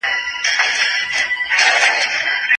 دښمن ته هم د انصاف په سترګه وګورئ.